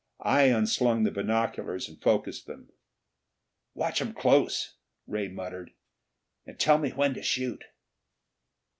I unslung the binoculars and focussed them. "Watch 'em close," Ray muttered. "And tell me when to shoot."